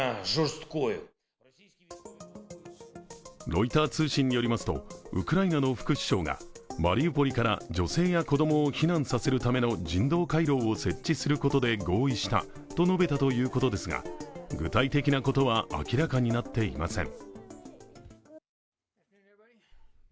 ロイター通信によりますと、ウクライナの副首相がマリウポリから女性や子供を避難させるための人道回廊を設置することで合意したと述べたということですが具体的なことは明らかになっていません。